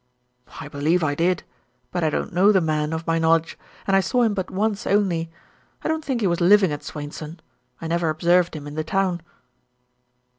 "I believe I did. But I don't know the man, of my knowledge, and I saw him but once only. I don't think he was living at Swainson. I never observed him in the town."